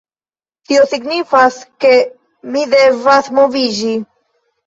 Tio signifas, ke mi devas moviĝi